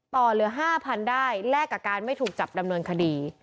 เหลือ๕๐๐๐ได้แลกกับการไม่ถูกจับดำเนินคดี